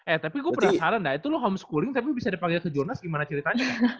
eh tapi gue penasaran ya itu lo homeschooling tapi bisa dipanggil ke jurnas gimana ceritanya